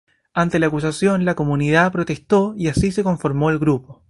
Ante la acusación la comunidad protestó y así se conformó el grupo.